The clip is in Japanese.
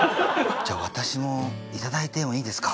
じゃあ私も頂いてもいいですか？